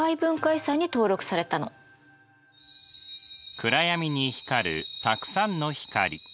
暗闇に光るたくさんの光。